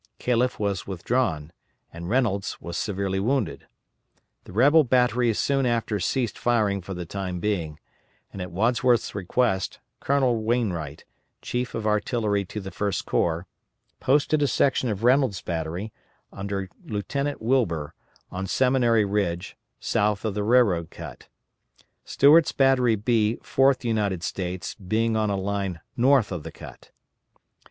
Calef was withdrawn, and Reynolds was severely wounded. The rebel batteries soon after ceased firing for the time being; and at Wadsworth's request, Colonel Wainwright, Chief of Artillery to the First Corps, posted a section of Reynolds' battery, under Lieutenant Wilbur, on Seminary Ridge, south of the railroad cut; Stewart's Battery "B" 4th United States being on a line north of the cut.